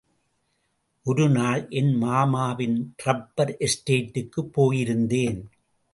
ஒருநாள் என் மாமாவின் ரப்பர் எஸ்டேட்டுக்குப் போயிருந்தேன்.